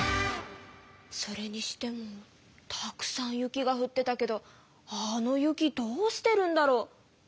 それにしてもたくさん雪がふってたけどあの雪どうしてるんだろ？